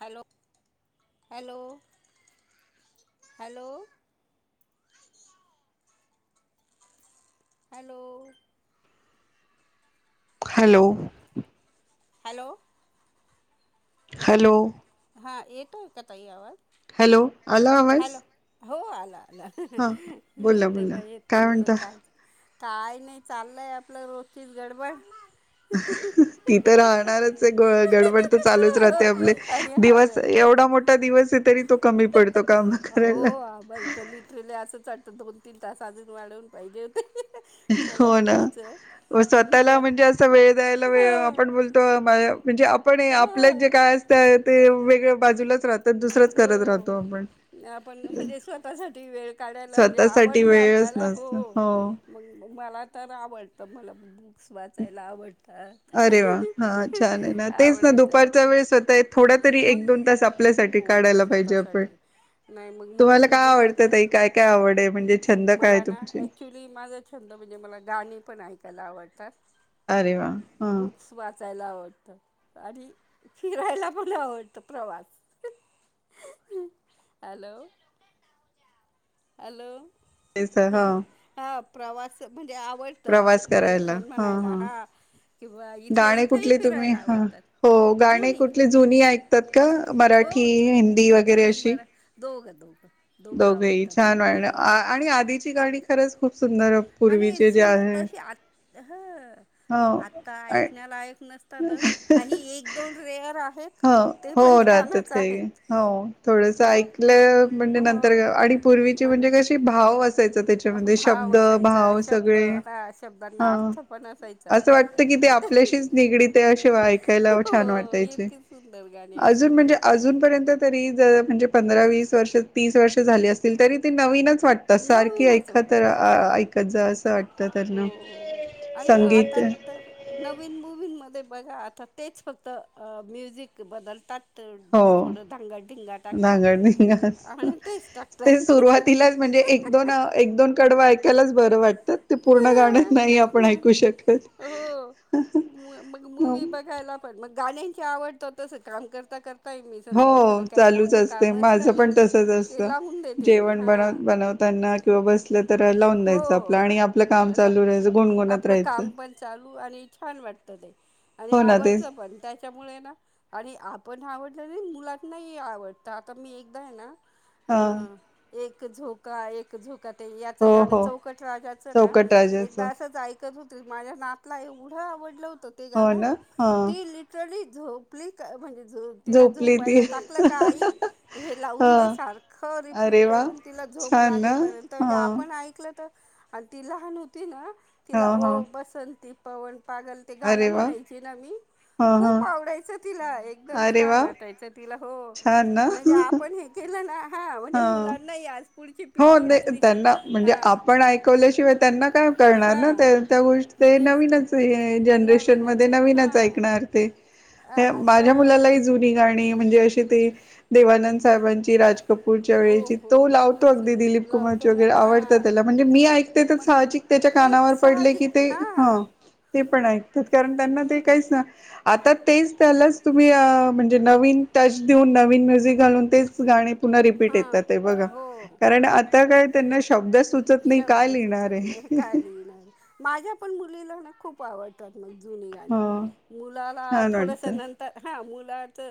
Hello hello hello hello hello hello hello हां येतोय का ताई आवाज? हॅलो आला आवाज? हॅलो हो आला. हा हां बोला बोला तेंव्हा येत काय नव्हतं म्हणता काय. काय नाही चाललंय आपलं रोजचीच गडबड. ती तर राहणारच आहे गडबड तर चालूच राहते आपले. आणि हा दिवस वेळ एवढा मोठा दिवस आहे तरी तो कमी पडतो काम हो करायला. आम्हाला तर लिटरली असंच वाटतं दोन तीन तास अजून वाढवून पाहिजे होते. मला हो ना वाटायचं की स्वतःला मुलं म्हणजे असं वेळ द्यायला वेळ आपण बोलतो म्हणजे आपण आपलंच जे ह काय असत ते वेगळ्या बाजूलाच राहतात दुसरंच करत हो राहतो आपण आपण म्हणजे स्वतःसाठी वेळ काढायला म्हणजे स्वतःसाठी आवडचा वेळच आपल्याला हो नसत हो मग हो मला तर आवडतं मला वाचायला आवडतात. अरे वा हा छान आहे ना तेच ना आवडायचं दुपारचा हो वेळस होतंय थोड्या तरी एक दोन तास आपल्या होत स्वतःसाठी नाही मग म्हणून तुम्हाला मी काय आवडतं दुपचे ताई? काय-काय आवड आहे? म्हणजे छंद काय आहे मला ना तुमचे? ॲक्च्युली माझा छंद म्हणजे मला गाणी पण ऐकायला आवड तर अरे वाह! हम्म हां, बुक्स वाचायला आवड त आणि फिरायला पण आवडतं प्रवास. हॅलो. हॅलो. तेच तर हे घे हां, टाप. प्रवास म्हणजे आवडतं असं प्रवास करायला. पर्यटन हां, म्हणायला हां. हा किंवा इथल्या गाणे इथही कुठले तुम्ही फिरायला हां, आवडतात हो गाणे जुनी कुठली जुनी ऐकतात का? जु हो मराठी, हिंदी जुनी वगैरे जुनी अशी? मरा दोघ [unintelligible] दोघं आवड. दोघेही छान हाय ना आ आणि आधीची गाणी खरंच खूप सुंदर आणि पूर्वीचे जे सुंदर आहे. तशी आत हं. आतां हो. ऐैकण्यालाऐैक नसत तातच काही एक दोन रेअर आ हं हो राहत्यात काय की हो थोडसं हां ऐकलं म्हणजे नंतर हो गं आणि पूर्वीची म्हणजे मला कशी भाव असायचं त्याच्यामध्ये भाव शब्द भा हा असायचा ओ शब्द सगळे हा शब्दांना हां अर्थ पण असायचा असं वाटतं की ते काहीतरी आपल्याशीच निगडित अशे वं ऐकायला ओ छान हो वाटायचे. इतकी सुंदर गाणी अजून असायची म्हणजे अजून पर्यंत तरी जर ज म्हणजे पंधरा वीस वर्ष तीस वर्ष झाले असतील तरी ते नवीनच वाटतं सारखी नवीनच ऐखत वाटतात रां आं आं ऐैक त्यांच असं वाट हो आणि आता तर नवीन मूवीन मध्ये बघा आता तेचं फक्त अं म्युझिक बदलतात हो थोडं धांगाडिंगा टाकतात ढांगड ढिंगा असतो आणि तेच तेच टाकतात सुरुवातीलाच म्हणजे एक दोन अं एक दोन कडवं ऐक त्यालाच बरं वाटतात ते पूर्ण हा गाणं नाई आपण ऐकू शक [inaudible] मूवी मग मूवी बघायला पण मग गाणी च्या आवडतो तस काम करता कर हो चालूच असते माझं असलं पण नाही तसच ते असतं लावून देते मी जेवण हां बनव बनवताना किंवा बस हो मला चालू राहायचं गुणगुणत आपलं राहायचं काम पण चालू आणि छान वाटत ते आणि हो ना तेच आवडतं पण त्याच्यामुळे ना आणि आपण आवड. नाही मुलात नाही आवडत आता मी एकदा हे ना, हा हम्म. एक एक झोका एक झोका ते. हो गा हो चौक राजाच ना चौकट राजाच एक अस. त होत माझ्या नातला एवढं आवडलं. ते हो गाण ना हा ती लिटरली. झोपली का म्हणजे झो तिला झोपली ती झोपायला टाकलं का आई हे हा लावून दे सारखं रिपीट अरे वा करून तिला झोप छान ना लागेपर्यंत ज हा आप आणि ती लहान होती ना, तिला हा हा ओ बसंती पवन पागल ते गाणं अरे वा! म्हणायचे ना, मी हां, हां. खूप आवडायचं. तिला एकदम अरे वा! छान वाटायचं. तिला हो छान ना. म्हणजे आपण हे केलं ना, हा म्हणजे हां. मुलां नाही आज. पुढची हो, पिढी ते अस [unintelligible] तच त्यांना म्हणजे आपण ऐकवल्याशिवाय त्यांना काय करणार ना हा त्या त्या गोष्टी ते तेच तर नवीनच जनरेशन मध्ये नवीनच आहे नवीनच हा ऐकणार ते आता माझ्या मुलालाही जुनी गाणी म्हणजे अशी ते देवानंद साहेबांची राज कपूरच्या हो वेळेची हो तो लाव खूप सुंदर दिलीप कुमार लावतो ना वगैरे हा आवडतात त्याला म्हणजे मी ऐकते मग साहजिक त्याच्या तेच कानावर पडले की साहजिक ते हा ह ते पण ऐकतात कारण त्यांना ते काहीच ना आता तेच त्यालाच तुम्ही म्हणजे नवीन टच देऊन नवीन म्युझिक घालून तेच गाणे पुन्हा रिपीट हां येतात बघा हो कारण आता काय त्यांना शब्द सुचत नाही शब्द काय लिहिणार सुचच नाही आहे. काय लिहिणार माझ्या पण मुलीला ना खूप आवडतें जु ग हो मु छान वाटतं थोडर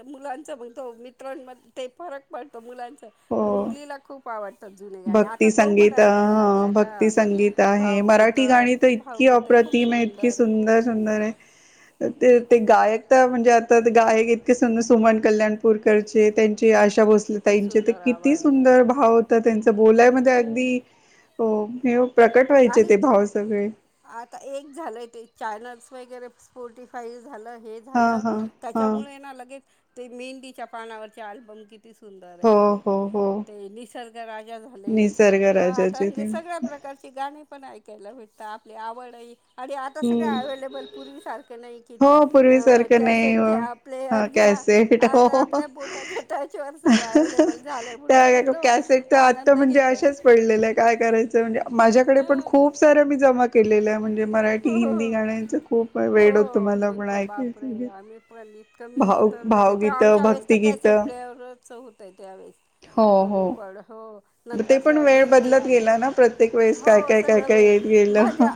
मुलांच म्हणतो मित्रां ते फरक पडतो मुलां हो मुलीला खूप आवडत जुने ग आता तो पण आहे हा हा भक्ती संगीत आहे मराठी भावगीतं गाणी तर इतकी भावगीतं खूप अप्रतिम आहे इतकी खूप सुंदर सुंदर आहे ते मी ते गायक म्हणजे आता गायक इतके सुर सोमन कल्याणपूरकरचे त्या े आशा किती भोसलेतााईचे ते सुंदर किती आवाज आहे सुंदरभाव होतात. त्यांच बोलायमध्ये म्हणजे अगदी अ हे प्रकट व्हायचे ते आणि भाव सगळे आता एक झालंय ते चॅनल्स वगैरे स्पॉटिफाई झालं हे हा झालं हा हा त्याच्यामुळे लगेच ते मेंदीच्या पानावरचे अल्बम कि सुंदर हो आहे हो हो ते निसर्ग राजा झाले निसर्ग व आता राजाचे ते म्हणजे सगळया प्रकारचे गाणे पण आईकायेला भे तर आपली आवडह आणि आता सगळ हम्म अवे्लेबल पूर्वीसारखं नाही की हो पूर्वीसारखं नाही कॅसेट हो घ्या हा प्लेअर घ्या कॅसेट आता हो आपल्या बोटात येत त्या कॅसेट तर आत्ता आनंद म्हणजे घेतो आहे अशाच पडलेलं आहे काय करायचं म्हणजे ईकडे पण हां खूप साऱ्या मी जमा केलेल्या म्हणज ी हो हिंदी हो गाण्याचं खूप वेळ होतो हो मला पण ऐकायचं कमी भाव तर म्हणजे ते भावगीतं आमच्या वेळेस तर कॅसेट भक्तिगीतं प्लेरच होतय त्यावेेळेस हो हो रेकॉर्ड ते नंतर पण त्या वेळ डी व्ही डी बदलत आल्या गेला ना प्रत्येक वेळेस काय हो काय काय काय येत गेलं ह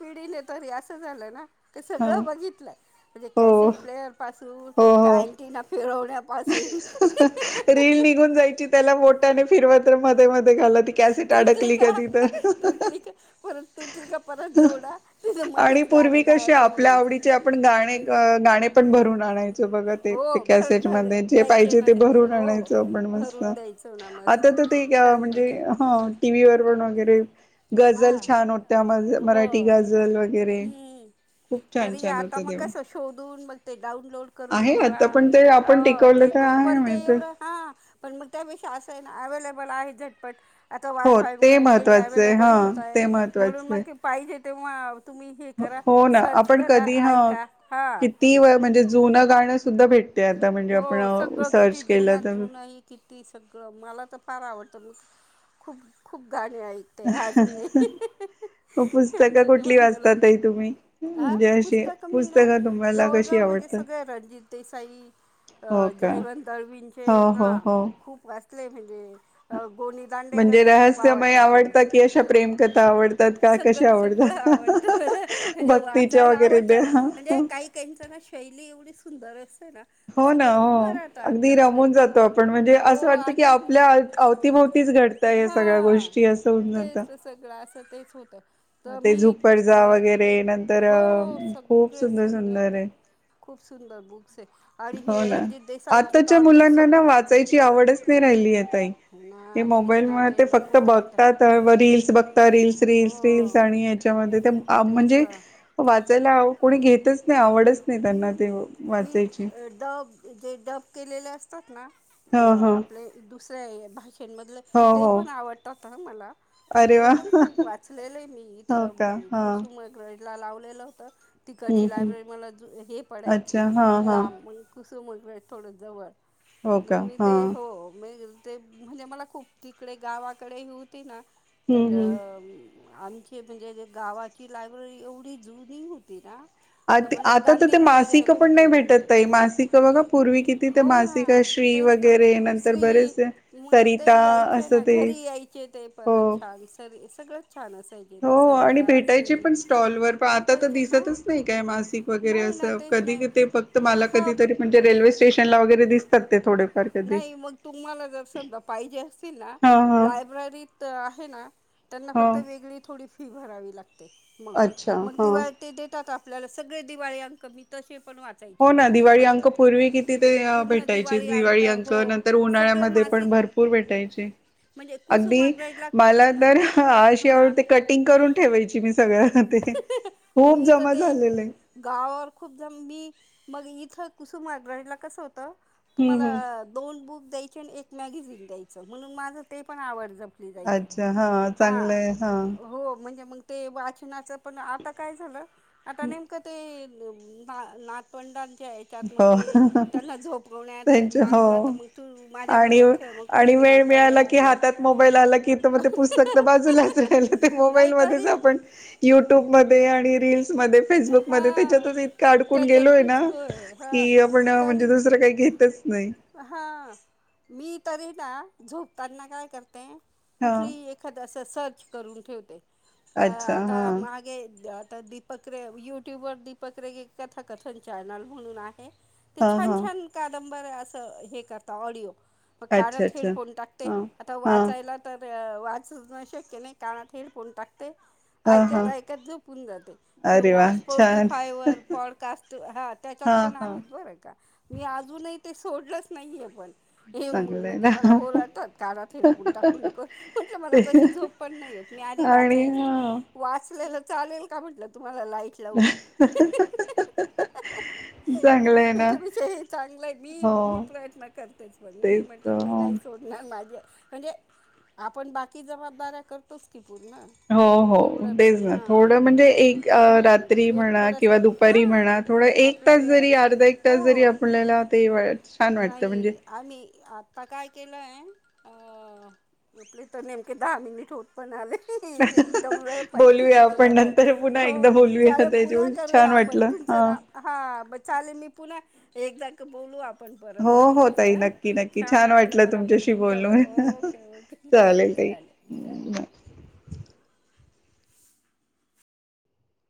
पिढीले तरी असं झालं ना ते सगळं बघितलंय म्हणजे हो कॅसेट प्लेअर त्याटी ना फिरवल्या रीलील निघून जायची त्याला मोठ्या आणि फिरवञ मध्ये मध्ये ती कसट अडकली का तिथ तुटली का परत तुटली का परत जोडा तिथं आणि मध्येच पूर्वी गाणं कशी गायब होऊन आपल्या जायचं आवडीचे आपण गाणे ग गाणे पण भरून आणायचो ते बघत हो ते भर भर मले जे द्यायचे पाहिजे ना ते भरून हो आणायचण आपण मस्त भरून द्यायचं ना मस्त आता तर तेम्हणजे छानपैकी ह टी व् व पण वरे हां गझल छान होत्या म हो मराठी गझल वगैरे हम्म. खूप छान तरी छान आता होतं मग तेव कसं शोधून मग आहे आता पण ते आप अ ते पण पण ते एवढं ना हा पण मग त्यापेक्षा असं आहे ना अवेलेबल पालाये आहे झटपट आता हो वायफाय ते मुळे नेट महत्त्वाचं आहे आवलेब बोलत हा होता ते म्हणून मग पाहिजे तेव्हा तुम्ही हे अ.. करा हो ना सर्च आपण करा कधी ह ऐका हां किती व म्हणजे जुन गाणं सुद्धा भेट हो सगळं किती जुन्यात तर जुनही किती सगळं मला तर फार आवडत तरून खूप खूप गाणी ऐकते अजून ही.. ही ही मग ही आणि पुस्तकं कुठली त्याच्यामुळे वाचता मुलाने ताई तुम्ही? हा म्हणजे अशी पुस्तक मी ना पुस्तकं तुम्हाला कशी जवळजवळ म्हणजे आवडतात? सगळे रणजित देसाई हो ह. का? जयवंत हो दळवींचे हा खूप वा. असले म्हणजे अ.. गोणी दांडेकर म्हणजे तर खूप रहस्यमय मला. आवडतात की अशा प्रेमकथा आवडतात का सगळं कशा सगळं आवडतात? आवडतं मला ह.. म्हणजे भक्तीच्या वाचायला वगैरे आवडतं द्या. म्हणजे काही काहीच ना शैली एवढीच सुंदरे. स स हो ना हो अगदी पुढे रमून जातो आपण म्हणजे हो असं वाटतं की अगदी म्हणजे आपल्या अवत.. अवतीभवतीच घडतय या सगळ्या गोष्टी असं होऊन जात अ. तेच होत ते झुपर्जा वगैरे नंतर हो खूप सुंदर सुंदर आहे खूप सुंदर बुक्स आहे आणि हो हे ना रणजित देसाईंचे तर आताच्या ऑलमोस्ट मुलांना ना सगळे वाचले वाचायची मी. आवडच नाही राहिलीय ताई हो हे ना तेच मोबाईल ना मध्ये ते फक्त नकोच म्हणता बघतात रील्स फक्त रील्स रील्स हो रील्स आणि याच्यामध्ये त.. तेच म्हणजे तर वाचायला ह कोणी घेतच नाही आवडच नाही मी त्यांना ते मी वाचायची. डब जे डब केलेले असते तात ना ह व ह आपले दु. सये.. भाह् हो मधलं हो पण आवडतात तह मला मी अरे ते वा पण खूप वाचलेलं आहे मी हो का ते हा. कुसुमाग्रज ला.. लावलेलं होतं हम्म तीकडची हम्म लायब्ररी मला हे पडायची अच्छा हा हा ला म कुस. च मज वेळ थोडं जवळ हो म का मी हा ते हो मधील.. ते म्हणजे मला खूप तिकडे गावाकडे होती ना हम्म तर हम्म. अ. म.. आमची म्हणजे गावाची लायब्ररी एवढी जुनी होती ना [inaudible] तर आत म्हणजे आता तर ते गांधींनी वगैरे मासिक भेट पण नाही दिलेली भेटत होती ताई मासिक बघा पूर्वी किती तिथे हो मासिक ना श्री तेच तर वगैरे नंतर श्री बरेचसे मग ते सरिता यायचे असं ना ते हो सगळं हो आणि भेटायची पण स्टॉल वर पण आता तर भेटायचे हां दिसतच नाही काय मासिक वगैरे वगैरे नाही ना असं तेच कधी नाही कि फक्त मला हा कधीतरी म्हणजे रेल्वे स्टेशनला वगैरे दिस तात ते थोडे नाही मग तुम्हाला जर समजा पाहिजे असतील ना हा हा लायब्ररीत आहे ना त्यांना हा फक्त वेगळी थोडी फी भरावी लागते ते मग अच्छा मग हा दिवाळी ते देतात आणू आपल्याला सगळे दिवाळी अंक मितच ण वाचाय हो म ना दिवाळी अंक कुसुमाग्रथा पूर्वी किती ते अ, पूर्ण भेटायचे दिवाळी दिवाळी अंक हो नंतर सगळे उन्हाळ्यामध्ये पण मासिक भरपूर भेटायचे म्हणजे अगदी कुसुमाग्रजला मला तर अ अशी आवडते कटिंग करून ठेवायची मी सगळं ते हहह खूप मी तर जमा ते झालेलं आहे. गावावर खूप जण मी मग इथं कुसुमग्रहीला कसं होतं होत हम्म तुम्हाला हम्म. दोन बुक एक द्यायचे आणि एक मॅगझिन द्यायचे म्हणून मला ते पण आवड अच्छा हा चांगलंय हा हो म्हणजे मग ते वाच वाचनाचं पण आता काय झालं आता नेमकं ते ना नाथपंथातात हो त्यांच्या नाचला तर हो मग तू आणि माझ्याबरोबर खेळ मग कुठे आणि वेळ निवांता मिळाला की आपला हातात मोबाईल आला की मग ते पुस्तक तर बाजूलाच राहिल ते मोबाईल मध्येच नाहीतरी आपण युट्यूबमध्ये आणि रिल्समध्ये फेसबुकमध्ये हा त्याच्यातच इतक अडकून त्याच्यात गेलोय ना घुसतोय हा कि आपण म्हणजे तरी दुसरं काही घेतच नाही हा मी तरी ना झोपताना काय करते हा कुठली एखाद असं सर्च करून ठेवते तर अच्छा हा आता मागे तर दीपक रे युट्यूबवरर दीपक रेग एक कथाकथन चॅनल म्हणून आहे ते हा छान हा छान कादम बर हे करता ऑडिओ. म अच्छा कानात हेड अच्छा फोन टाकते हा आता हा वाचायला तर अ वाच न शक्य नाही कानात हेड फोन टाक हा हा ऐकत ऐकत झोपून जाते. अरे वा किंवा छान स्पोर्टीफाय वर पॉडकास्ट हा त्याच्यात पण आहेत बर का. मी अजूनही ते सोडलंच नाहीेये पण हे मग चांगलं आहे म्हणजे मला ना ओरटात कानात हेड फोन टाकू नकोस म्हटल मला ते तशी झोप पण नाहीेयेत मी आधी आणि वाचायची हा वाचलेलं चालेल का म्हटलं तू मला लाईट लावून चांगलं आहे पण ना त्या पेक्षा ही चांगलं आहे. हो मी मी प्रयत्न करतेच पण मी तेच म्हटलं मी हो नाही सोडणार माझं म्हणजे आपण बाकी जबाबदाऱ्या करतोच की, पूर्ण हो मग हो तेवढं तर तेच ना हां थोडं म्हणजे एक रात्री हम्म एक म्हणा थोडंसं किंवा दुपारी हां म्हणा थोडं एक आपला तास वेळ जरी असतो अर्धा एक तास जरी हो आपल्याला ते वा छान वाटतं म्हणजे नाही आम्ही आता काय केलं अ इकले तर नेमके दहा मिनिट होत पण आले. एकदम वेळ पण [unintelligible] तखे बोलूया आपण गेलात आहे नंतर पुन्हा हो एकदा बोलूया चालेल पुन्हा त्याच्यामुळे करूया छान आपण वाटलं तुमचं हा नाव हा चालेल मी पुन्हा एकदा का बोलू आप आपण हो परत हो ताई वाटल्याचं नक्की नक्की छान वाटलं मला पण तुमच्याशी तुमच्यावर बोलून ओके ओके चालेल चालेल.